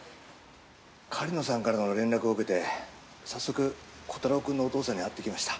狩野さんからの連絡を受けて早速コタローくんのお父さんに会ってきました。